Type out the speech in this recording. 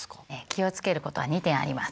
気を付けることは２点あります。